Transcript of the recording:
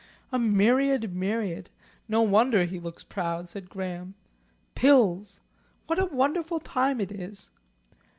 "A myriad myriad. No wonder he looks proud," said Graham. "Pills! What a wonderful time it is!